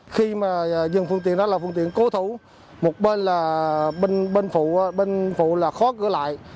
khi mà dừng phương tiện đó là phương tiện cố thủ một bên là bên phụ bên phụ là khó cửa lại